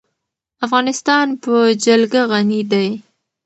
افغانستان په جلګه غني دی.